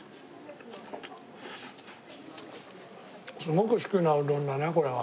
すごく好きなうどんだねこれは。